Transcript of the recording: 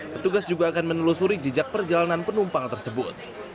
petugas juga akan menelusuri jejak perjalanan penumpang tersebut